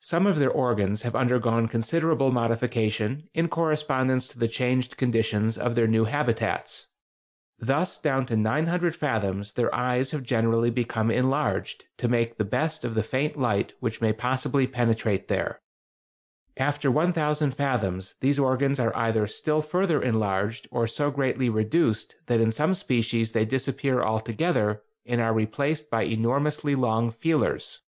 Some of their organs have undergone considerable modification in correspondence to the changed conditions of their new habitats. Thus down to 900 fathoms their eyes have generally become enlarged, to make the best of the faint light which may possibly penetrate there. After 1000 fathoms these organs are either still further enlarged or so greatly reduced that in some species they disappear altogether and are replaced by enormously long feelers.